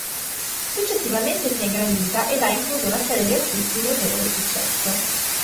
Successivamente si è ingrandita ed ha incluso una serie di artisti di notevole successo.